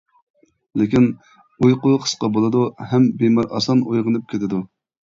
لېكىن ئۇيقۇ قىسقا بولىدۇ ھەم بىمار ئاسان ئويغىنىپ كېتىدۇ.